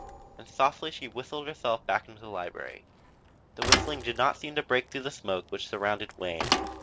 And softly she whistled herself back into the library. The whistling did not seem to break through the smoke which surrounded Wayne.